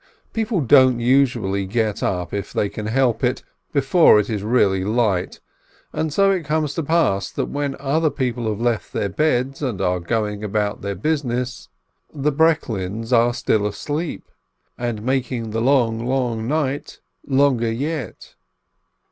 Peo ple don't usually get up, if they can help it, before it is really light, and so it comes to pass that when other people have left their beds, and are going about their business, the Breklins are still asleep and mak ing the long, long night longer yet.